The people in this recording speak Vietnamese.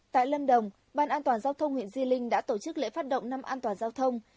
tại lâm đồng ban an toàn giao thông huyện di linh đã tổ chức lễ phát động năm an toàn giao thông